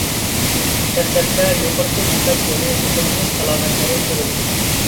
دەسلەپتە يۇقىرىقى نەپەس يولى يۇقۇملىنىش ئالامەتلىرى كۆرۈلىدۇ.